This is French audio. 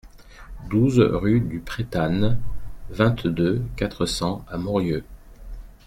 douze rue du Pretanne, vingt-deux, quatre cents à Morieux